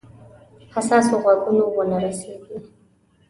حساسو غوږونو ونه رسیږي.